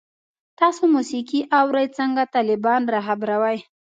تاسو موسیقی اورئ؟ څنګه، طالبان را خبروئ